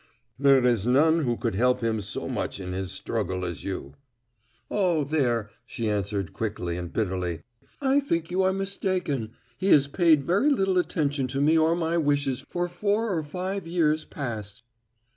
"There is none who could help him so much in his struggle as you." "Oh, there," she answered quickly and bitterly, "I think you are mistaken. He has paid very little attention to me or my wishes for four or five years past."